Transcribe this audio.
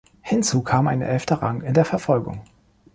Hinzu kam ein elfter Rang in der Verfolgung.